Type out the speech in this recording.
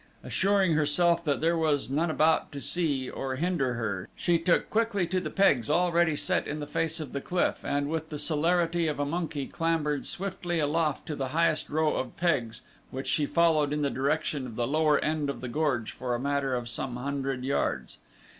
Assuring herself that there was none about to see, or hinder her, she took quickly to the pegs already set in the face of the cliff and with the celerity of a monkey clambered swiftly aloft to the highest row of pegs which she followed in the direction of the lower end of the gorge for a matter of some hundred yards.